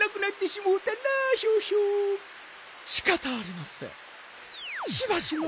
しかたありません。